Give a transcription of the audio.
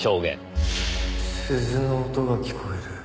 鈴の音が聞こえる。